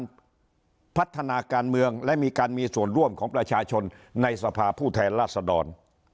พัฒนาการเมืองและมีการมีส่วนร่วมของประชาชนในสภาผู้แทนราษดร